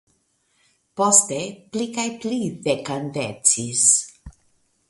Poste pli kaj pli dekandecis.